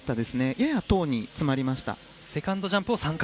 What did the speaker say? ややトウに詰まりました。